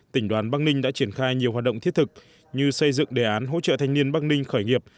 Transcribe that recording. tỉnh đoàn bắc ninh đã triển khai nhiều hoạt động thiết thực như xây dựng đề án hỗ trợ thanh niên bắc ninh khởi nghiệp